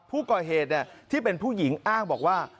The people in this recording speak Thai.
ผู้ก่อเหตุที่เป็นผู้หญิงอ้างบอกว่า